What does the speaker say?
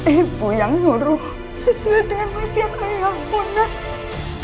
ibu yang nuruh sesuai dengan persiapan ayahmu nek